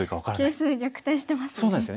形勢逆転してますね。